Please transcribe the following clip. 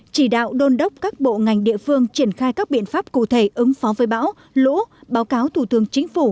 chỉ đạo đôn đốc các bộ ngành địa phương triển khai các biện pháp cụ thể ứng phó với bão lũ báo cáo thủ tướng chính phủ